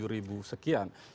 tujuh ribu sekian